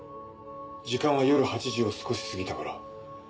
時間は夜８時を少し過ぎた頃。